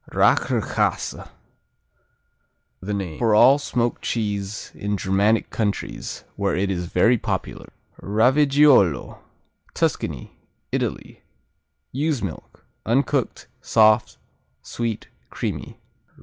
Rächerkäse The name for all smoked cheese in Germanic countries, where it is very popular. Raviggiolo Tuscany, Italy Ewe's milk. Uncooked; soft; sweet; creamy.